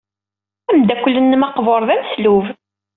Ameddakel-nnem aqbur d ameslub.